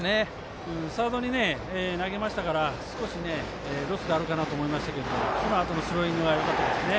サードに投げましたから少しロスがあるかなと思いましたけどそのあとのスローイングがよかったですね。